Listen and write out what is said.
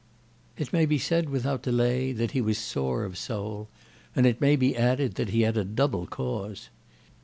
It may be said without delay that he was sore of soul, and it may be added that he had a double cause.